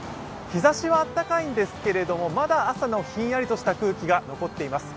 日ざしはあったかいんですけれども、まだ朝のひんやりとした空気が残っています。